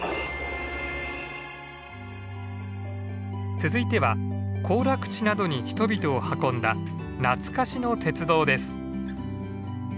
続いては行楽地などに人々を運んだ懐かしの鉄道です。